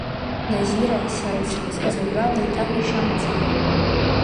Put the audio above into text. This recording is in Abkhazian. Назира, сара исхызгаз ажәала еиҭаҳәашьа амаӡам.